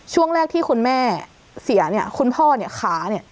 ช่วงแรกที่คุณแม่เสียเนี่ยคุณพ่อเนี่ยขาเนี่ย